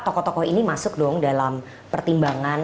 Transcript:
tokoh tokoh ini masuk dong dalam pertimbangan